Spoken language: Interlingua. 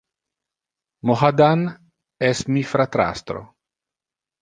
Mohadan es mi fratrastro.